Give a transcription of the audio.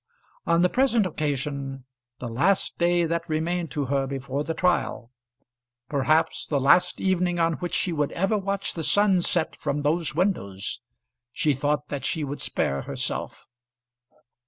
On the present occasion, the last day that remained to her before the trial perhaps the last evening on which she would ever watch the sun set from those windows, she thought that she would spare herself.